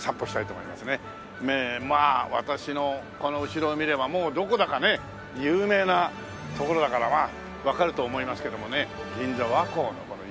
まあ私のこの後ろを見ればもうどこだかね有名な所だからまあわかると思いますけどもね銀座・和光のこの有名なね。